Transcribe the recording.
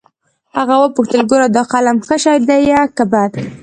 هغه وپوښتل ګوره دا قلم ښه شى ديه که بد.